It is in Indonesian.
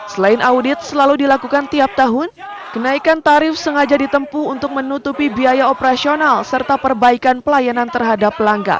selain audit selalu dilakukan tiap tahun kenaikan tarif sengaja ditempu untuk menutupi biaya operasional serta perbaikan pelayanan terhadap pelanggan